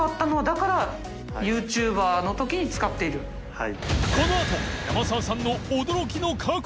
はい。